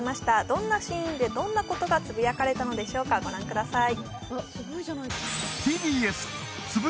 どんなシーンでどんな言葉がつぶやかれたのでしょうか、ご覧ください。